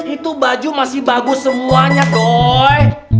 itu baju masih bagus semuanya dong